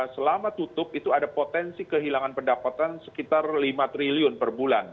selama tutup itu ada potensi kehilangan pendapatan sekitar lima triliun per bulan